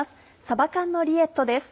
「さば缶のリエット」です。